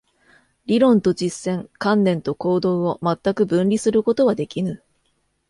理論と実践、観念と行動を全く分離することはできぬ。